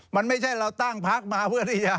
มันไม่ใช่เราตั้งพักมาเพื่อที่จะ